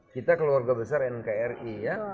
kita keluarga besar nkri ya